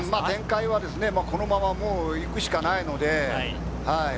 展開はこのままいくしかないので。